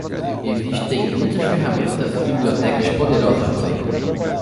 Existem muitas ferramentas e bibliotecas poderosas por aí.